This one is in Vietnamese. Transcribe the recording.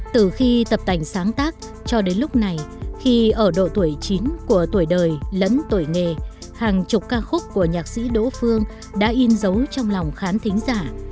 từ khi tập tành sáng tác cho đến lúc này khi ở độ tuổi chín của tuổi đời lẫn tuổi nghề hàng chục ca khúc của nhạc sĩ đỗ phương đã in dấu trong lòng khán thính giả